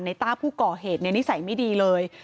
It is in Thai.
ต้าผู้ก่อเหตุนิสัยไม่ดีเลย